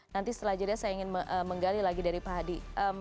nanti setelah jadinya saya ingin menggali lagi dari pak hadi